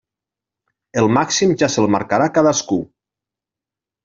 El màxim ja se'l marcarà cadascú.